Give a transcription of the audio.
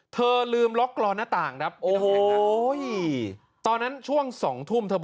เธอลืมล็อกกลอนหน้าต่างนะครับ